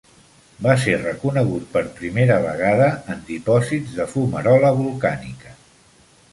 Va ser reconegut per primera vegada en dipòsits de fumarola volcànica.